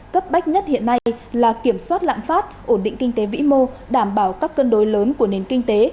cấp bách nhất hiện nay là kiểm soát lạm phát ổn định kinh tế vĩ mô đảm bảo các cân đối lớn của nền kinh tế